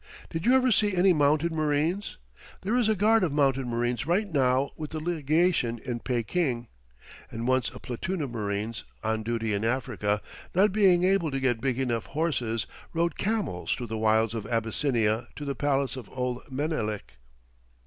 Did you ever see any mounted marines? There is a guard of mounted marines right now with the legation in Peking; and once a platoon of marines, on duty in Africa, not being able to get big enough horses, rode camels through the wilds of Abyssinia to the palace of old Menelik.